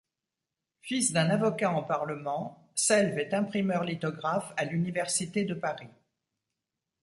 Fils d'un avocat en parlement, Selves est imprimeur lithographe à l'université de Paris.